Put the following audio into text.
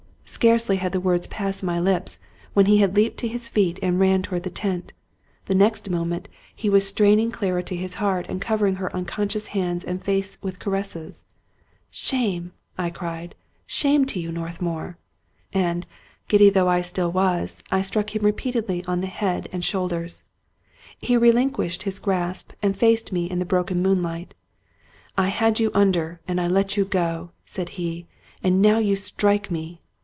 Scarcely had the words passed my lips, when he had leaped to his feet and ran toward the tent; and the next moment, he was strain 207 Scotch Mystery Stories ing Clara to his heart and covering her unconscious hands and face with his caresses. " Shame !" I cried. " Shame to you, Northmour !" And, giddy though I still was, I struck him repeatedly upon the head and shoulders. He relinquished his grasp, and faced me in the broken moonlight. " I had you under, and I let you go," said he ;" and now you strike me